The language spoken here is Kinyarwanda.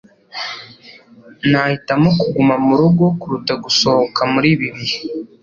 Nahitamo kuguma murugo kuruta gusohoka muri ibi bihe.